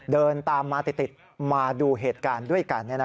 เดินตามมาติดมาดูเหตุการณ์ด้วยกัน